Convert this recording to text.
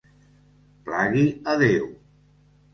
Plagui a Déu.